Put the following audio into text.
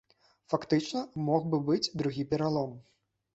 Фактычна, мог бы быць другі пералом.